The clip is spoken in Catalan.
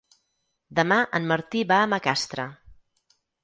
Demà en Martí va a Macastre.